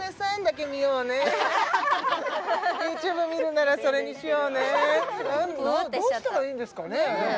ＹｏｕＴｕｂｅ見るならそれにしようねどうしたらいいんですかね？